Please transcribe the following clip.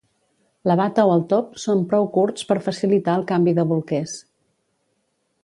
La bata o el top són prou curts per facilitar el canvi de bolquers.